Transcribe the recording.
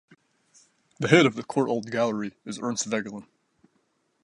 The Head of the Courtauld Gallery is Ernst Vegelin.